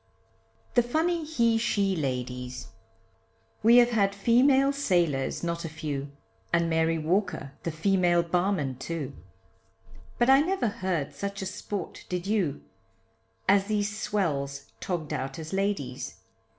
THE FUNNY HE SHE LADIES! We have had female sailors not a few, And Mary Walker the female barman, too, But I never heard such a sport, did you, As these swells tog'd out as ladies.